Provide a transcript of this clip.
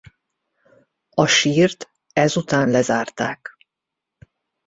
A sírt ezután lezárták.